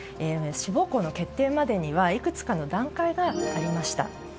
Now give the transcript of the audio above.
志望校の決定までにはいくつかの段階がありました。